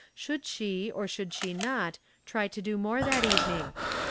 Should she, or should she not, tr}' to do more that evening?